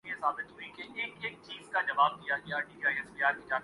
ہماری شکست کے اسباب کیا ہیں